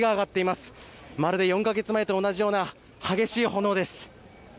まるで４カ月前と同じような激しい炎です。